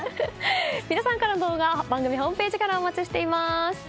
皆さんからの動画番組ホームページからお待ちしています。